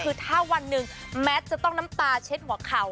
คือถ้าวันหนึ่งแมทจะต้องน้ำตาเช็ดหัวเข่า